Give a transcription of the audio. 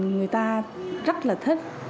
người ta rất là thích